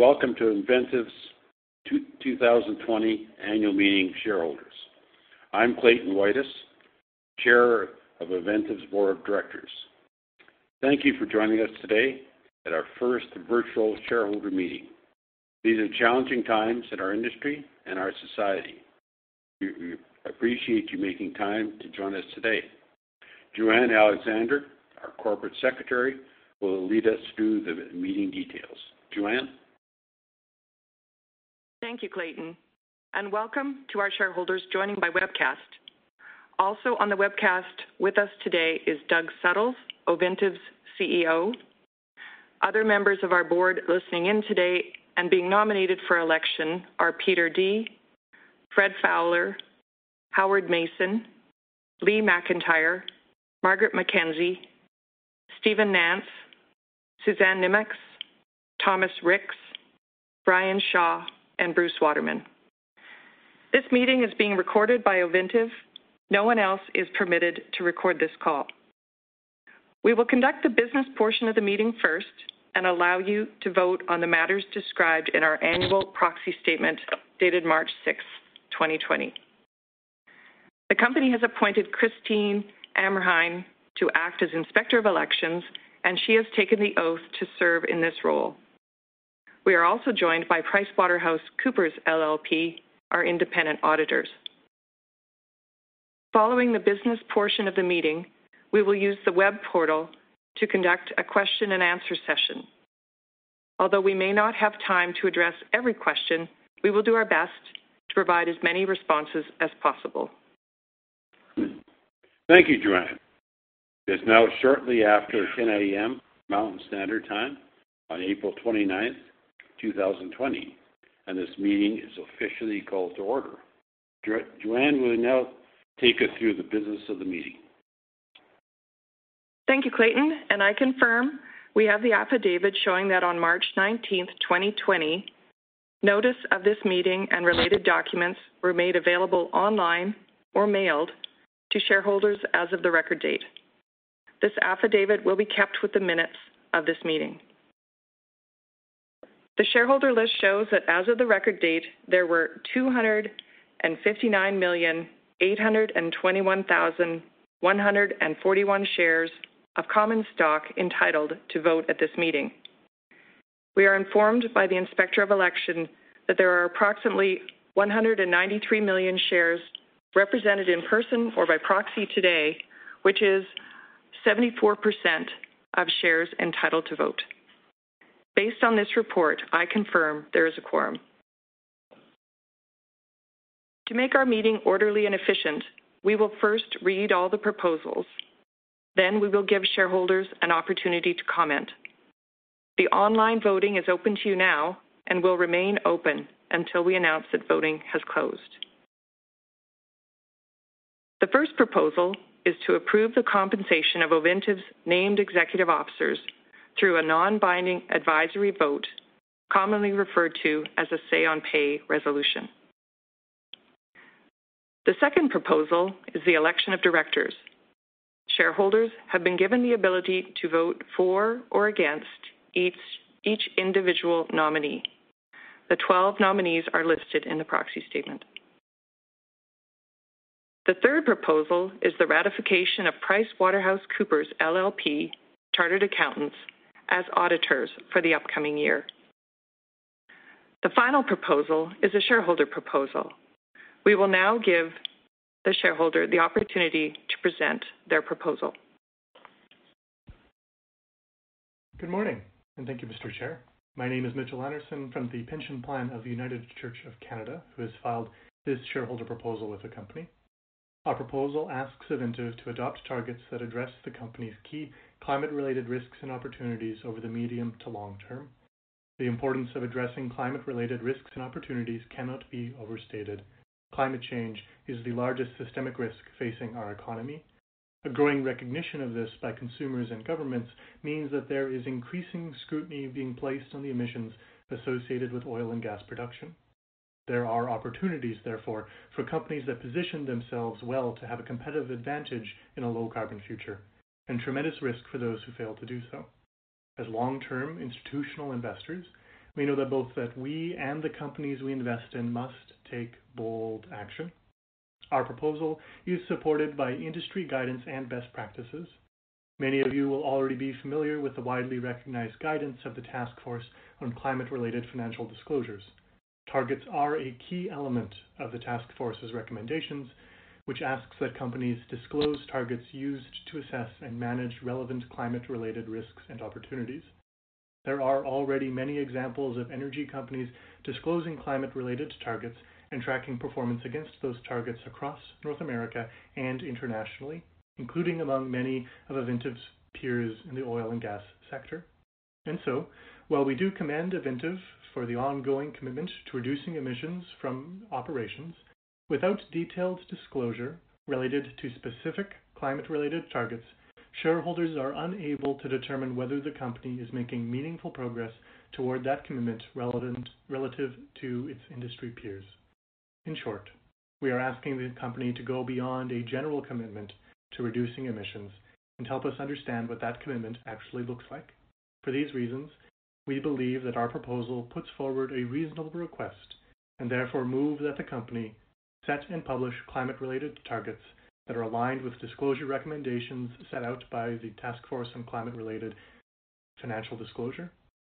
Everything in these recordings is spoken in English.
Welcome to Ovintiv's 2020 annual meeting of shareholders. I'm Clayton Woitas, Chair of Ovintiv's Board of Directors. Thank you for joining us today at our first virtual shareholder meeting. These are challenging times in our industry and our society. We appreciate you making time to join us today. Joanne Alexander, our Corporate Secretary, will lead us through the meeting details. Joanne? Thank you, Clayton, and welcome to our shareholders joining by webcast. Also on the webcast with us today is Doug Suttles, Ovintiv's CEO. Other members of our board listening in today and being nominated for election are Peter Dea, Fred Fowler, Howard Mayson, Lee McIntire, Margaret McKenzie, Steven Nance, Suzanne Nimocks, Thomas Ricks, Brian Shaw, and Bruce Waterman. This meeting is being recorded by Ovintiv. No one else is permitted to record this call. We will conduct the business portion of the meeting first and allow you to vote on the matters described in our annual proxy statement dated March 6th, 2020. The company has appointed Christine Amerheim to act as Inspector of Elections, and she has taken the oath to serve in this role. We are also joined by PricewaterhouseCoopers LLP, our independent auditors. Following the business portion of the meeting, we will use the web portal to conduct a question and answer session. Although we may not have time to address every question, we will do our best to provide as many responses as possible. Thank you, Joanne. It's now shortly after 10:00 A.M. Mountain Standard Time on April 29th, 2020, and this meeting is officially called to order. Joanne will now take us through the business of the meeting. Thank you, Clayton. I confirm we have the affidavit showing that on March 19th, 2020, notice of this meeting and related documents were made available online or mailed to shareholders as of the record date. This affidavit will be kept with the minutes of this meeting. The shareholder list shows that as of the record date, there were 259,821,141 shares of common stock entitled to vote at this meeting. We are informed by the Inspector of Elections that there are approximately 193 million shares represented in person or by proxy today, which is 74% of shares entitled to vote. Based on this report, I confirm there is a quorum. To make our meeting orderly and efficient, we will first read all the proposals, then we will give shareholders an opportunity to comment. The online voting is open to you now and will remain open until we announce that voting has closed. The first proposal is to approve the compensation of Ovintiv's named executive officers through a non-binding advisory vote, commonly referred to as a say-on-pay resolution. The second proposal is the election of directors. Shareholders have been given the ability to vote for or against each individual nominee. The 12 nominees are listed in the proxy statement. The third proposal is the ratification of PricewaterhouseCoopers LLP Chartered Accountants as auditors for the upcoming year. The final proposal is a shareholder proposal. We will now give the shareholder the opportunity to present their proposal. Good morning. Thank you, Mr. Chair. My name is Mitchell Anderson from the Pension Plan of the United Church of Canada, who has filed this shareholder proposal with the company. Our proposal asks Ovintiv to adopt targets that address the company's key climate-related risks and opportunities over the medium to long term. The importance of addressing climate-related risks and opportunities cannot be overstated. Climate change is the largest systemic risk facing our economy. A growing recognition of this by consumers and governments means that there is increasing scrutiny being placed on the emissions associated with oil and gas production. There are opportunities, therefore, for companies that position themselves well to have a competitive advantage in a low-carbon future, and tremendous risk for those who fail to do so. As long-term institutional investors, we know that both we and the companies we invest in must take bold action. Our proposal is supported by industry guidance and best practices. Many of you will already be familiar with the widely recognized guidance of the Task Force on Climate-related Financial Disclosures. Targets are a key element of the task force's recommendations, which asks that companies disclose targets used to assess and manage relevant climate-related risks and opportunities. There are already many examples of energy companies disclosing climate-related targets and tracking performance against those targets across North America and internationally, including among many of Ovintiv's peers in the oil and gas sector. While we do commend Ovintiv for the ongoing commitment to reducing emissions from operations, without detailed disclosure related to specific climate-related targets, shareholders are unable to determine whether the company is making meaningful progress toward that commitment relative to its industry peers. In short, we are asking the company to go beyond a general commitment to reducing emissions and help us understand what that commitment actually looks like. For these reasons, we believe that our proposal puts forward a reasonable request, and therefore move that the company set and publish climate-related targets that are aligned with disclosure recommendations set out by the Task Force on Climate-related Financial Disclosures.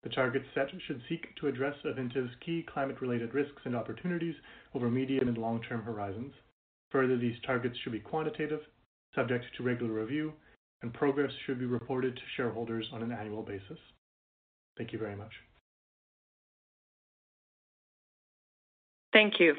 The targets set should seek to address Ovintiv's key climate-related risks and opportunities over medium and long-term horizons. Further, these targets should be quantitative, subject to regular review, and progress should be reported to shareholders on an annual basis. Thank you very much. Thank you.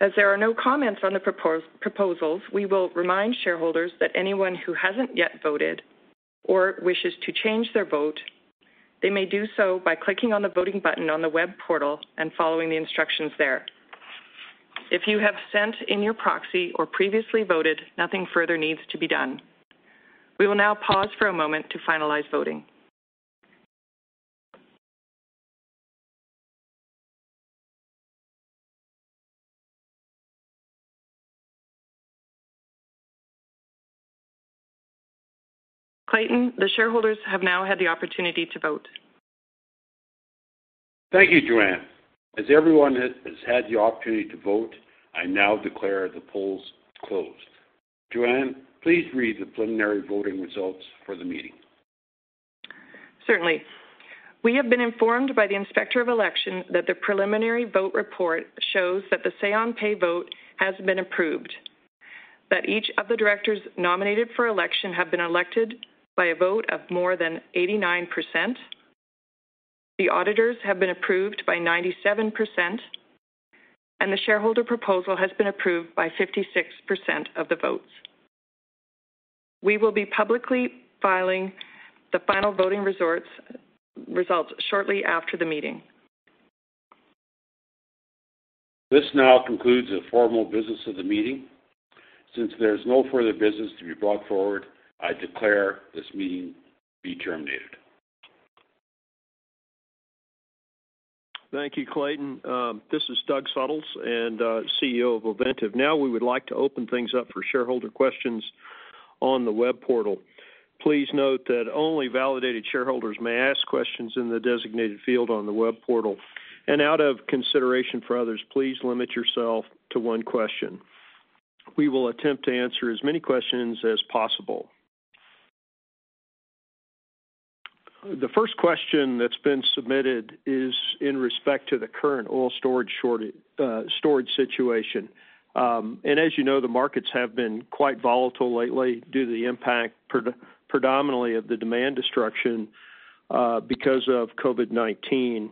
There are no comments on the proposals, we will remind shareholders that anyone who hasn't yet voted or wishes to change their vote, they may do so by clicking on the voting button on the web portal and following the instructions there. If you have sent in your proxy or previously voted, nothing further needs to be done. We will now pause for a moment to finalize voting. Clayton, the shareholders have now had the opportunity to vote. Thank you, Joanne. As everyone has had the opportunity to vote, I now declare the polls closed. Joanne, please read the preliminary voting results for the meeting. Certainly. We have been informed by the Inspector of Elections that the preliminary vote report shows that the say-on-pay vote has been approved, that each of the directors nominated for election have been elected by a vote of more than 89%, the auditors have been approved by 97%, and the shareholder proposal has been approved by 56% of the votes. We will be publicly filing the final voting results shortly after the meeting. This now concludes the formal business of the meeting. Since there is no further business to be brought forward, I declare this meeting be terminated. Thank you, Clayton. This is Doug Suttles, CEO of Ovintiv. Now, we would like to open things up for shareholder questions on the web portal. Please note that only validated shareholders may ask questions in the designated field on the web portal. Out of consideration for others, please limit yourself to one question. We will attempt to answer as many questions as possible. The first question that's been submitted is in respect to the current oil storage situation. As you know, the markets have been quite volatile lately due to the impact predominantly of the demand destruction because of COVID-19.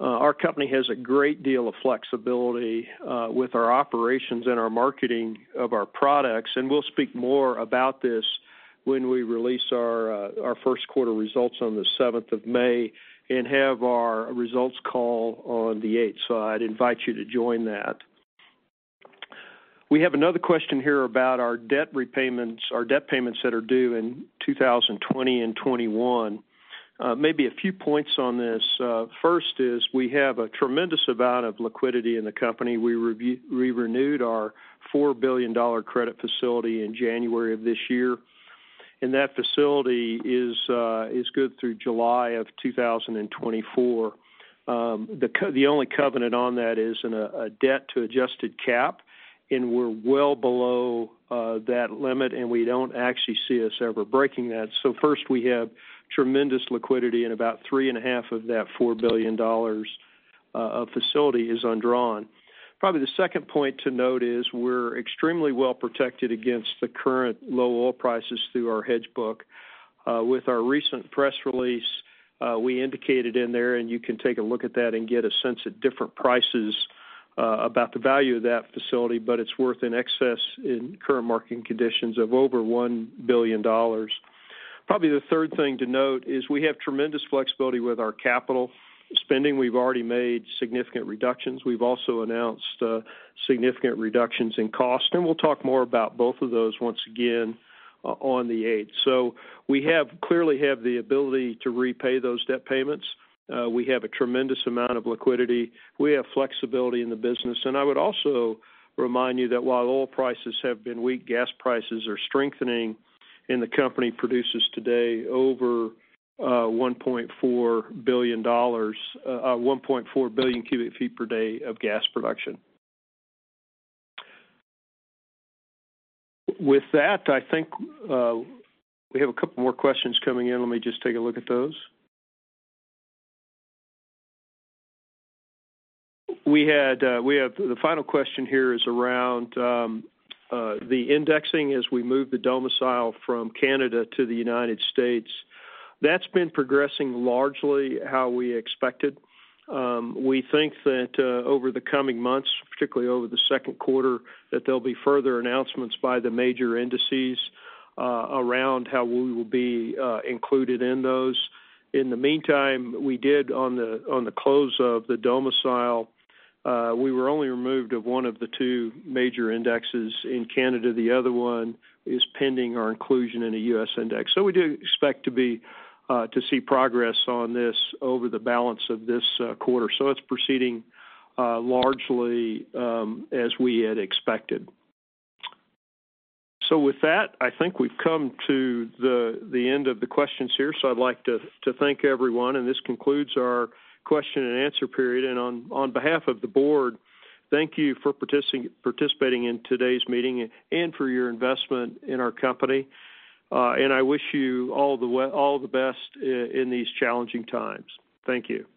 Our company has a great deal of flexibility with our operations and our marketing of our products, and we'll speak more about this when we release our first quarter results on the seventh of May and have our results call on the eighth. I'd invite you to join that. We have another question here about our debt repayments, our debt payments that are due in 2020 and 2021. Maybe a few points on this. First is we have a tremendous amount of liquidity in the company. We renewed our $4 billion credit facility in January of this year, and that facility is good through July of 2024. The only covenant on that is a debt-to-adjusted cap, and we're well below that limit, and we don't actually see us ever breaking that. First, we have tremendous liquidity, and about 3.5 of that $4 billion of facility is undrawn. Probably the second point to note is we're extremely well protected against the current low oil prices through our hedge book. With our recent press release, we indicated in there, and you can take a look at that and get a sense at different prices about the value of that facility, but it's worth in excess in current marketing conditions of over $1 billion. Probably the third thing to note is we have tremendous flexibility with our capital spending. We've already made significant reductions. We've also announced significant reductions in cost, and we'll talk more about both of those once again on the eighth. We clearly have the ability to repay those debt payments. We have a tremendous amount of liquidity. We have flexibility in the business. I would also remind you that while oil prices have been weak, gas prices are strengthening, and the company produces today over 1.4 billion cubic feet per day of gas production. With that, I think we have a couple more questions coming in. Let me just take a look at those. The final question here is around the indexing as we move the domicile from Canada to the United States. That's been progressing largely how we expected. We think that over the coming months, particularly over the second quarter, that there'll be further announcements by the major indices around how we will be included in those. In the meantime, we did on the close of the domicile, we were only removed of one of the two major indexes in Canada. The other one is pending our inclusion in a U.S. index. We do expect to see progress on this over the balance of this quarter. It's proceeding largely as we had expected. With that, I think we've come to the end of the questions here. I'd like to thank everyone, and this concludes our question and answer period. On behalf of the board, thank you for participating in today's meeting and for your investment in our company. I wish you all the best in these challenging times. Thank you.